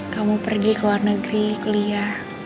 kamu pergi ke luar negeri ke lia